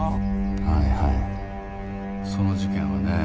はいはいその事件はね